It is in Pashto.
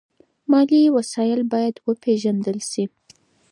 مالي وسایل باید وپیژندل شي.